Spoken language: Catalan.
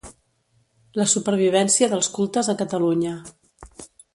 La supervivència dels cultes a Catalunya.